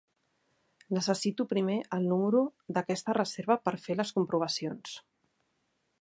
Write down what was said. Necessito primer el número d'aquesta reserva per fer les comprovacions.